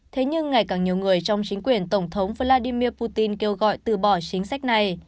thế nhưng ngày càng nhiều người trong chính quyền tổng thống vladimir putin kêu gọi từ bỏ chính sách này